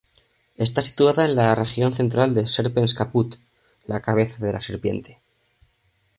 Está situada en la región central de Serpens Caput, la cabeza de la serpiente.